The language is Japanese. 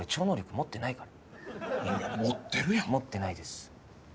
持ってないから。